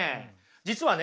実はね